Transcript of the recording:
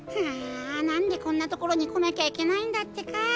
ああなんでこんなところにこなきゃいけないんだってか。